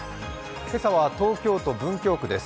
今朝は東京都文京区です。